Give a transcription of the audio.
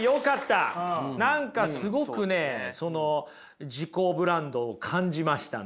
何かすごく自己ブランドを感じましたね。